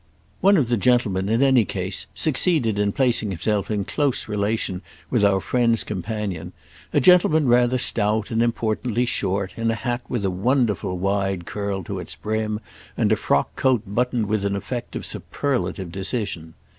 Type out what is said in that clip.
One of the gentlemen, in any case, succeeded in placing himself in close relation with our friend's companion; a gentleman rather stout and importantly short, in a hat with a wonderful wide curl to its brim and a frock coat buttoned with an effect of superlative decision.